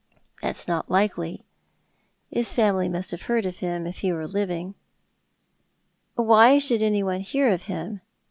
" That's not likely. His fiimily must have heard of him if he were living." " Why should anyone hear of him